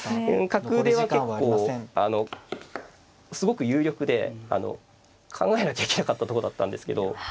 角出は結構すごく有力で考えなきゃいけなかったとこだったんですけど。